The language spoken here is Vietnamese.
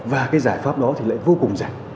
và cái giải pháp đó thì lại vô cùng giảm